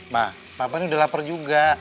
ma papa ini udah lapar juga